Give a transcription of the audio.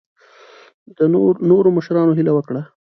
نورو مشرانو هیله وکړه.